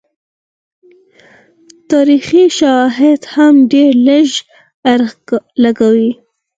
تاریخي شواهد هم ډېر لږ اړخ لګوي.